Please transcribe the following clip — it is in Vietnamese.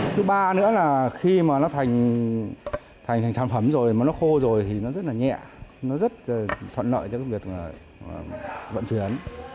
thứ ba nữa là khi mà nó thành sản phẩm rồi mà nó khô rồi thì nó rất là nhẹ nó rất thuận lợi cho cái việc vận chuyển